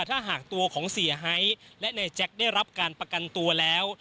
ถ้าหากตัวของเสียไฮและนายแจ็คได้รับการประกันตัวแล้ว